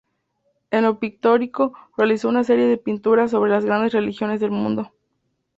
En lo pictórico, realizó una serie de pinturas sobre las grandes religiones del mundo.